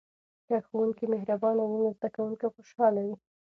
که ښوونکی مهربانه وي نو زده کوونکي خوشحاله وي.